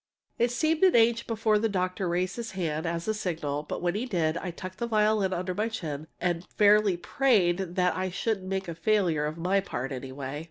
It seemed an age before the doctor raised his hand as a signal, but when he did I tucked the violin under my chin and fairly prayed that I shouldn't make a failure of my part, anyway!